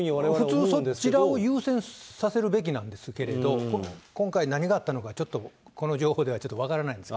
普通、そちらを優先させるべきなんですけれど、今回、何があったのか、ちょっとこの情報ではちょっと分からないんです。